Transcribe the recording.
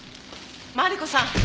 マリコさん！